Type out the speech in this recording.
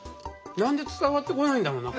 何で伝わってこないんだろうな？